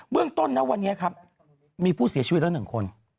เรื่องต้นนะวันนี้ครับมีผู้เสียชีวิตแล้ว๑คน